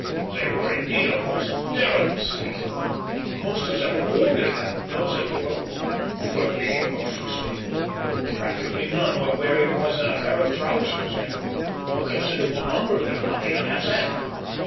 They were indeed a most terrible sight. Most of them were wounded, and those that were were bleeding profusely. Practically none were wearing more than a pair of trousers, and a considerable number did not even have that.